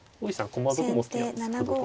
駒得も好きなんです歩得も。